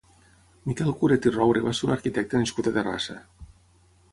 Miquel Curet i Roure va ser un arquitecte nascut a Terrassa.